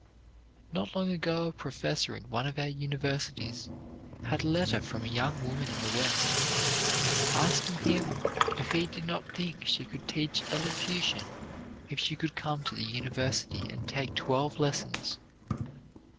Not long ago a professor in one of our universities had a letter from a young woman in the West, asking him if he did not think she could teach elocution if she could come to the university and take twelve lessons.